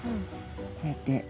こうやって。